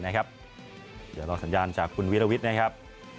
เดียวลองสัญญาณจากคุณวิระวิทย์เนี่ยครับ